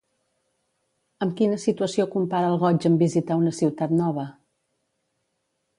Amb quina situació compara el goig en visitar una ciutat nova?